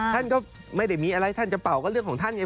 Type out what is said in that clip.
ท่านก็ไม่ได้มีอะไรท่านจะเป่าก็เรื่องของท่านไง